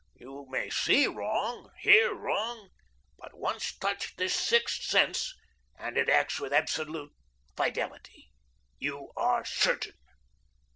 You may see wrong, hear wrong, but once touch this sixth sense and it acts with absolute fidelity, you are certain.